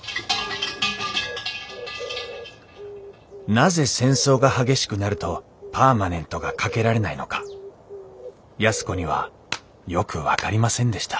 なぜ戦争が激しくなるとパーマネントがかけられないのか安子にはよく分かりませんでした